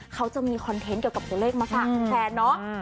เขาจะมีคอนเทนต์เกี่ยวกับตัวเลขมาฝากแฟนเนาะ